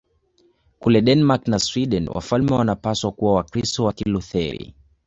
Kule Denmark na Sweden wafalme wanapaswa kuwa Wakristo wa Kilutheri.